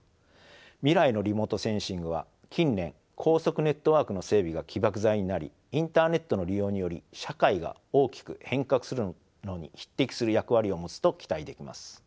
未来のリモートセンシングは近年高速ネットワークの整備が起爆剤になりインターネットの利用により社会が大きく変革するのに匹敵する役割を持つと期待できます。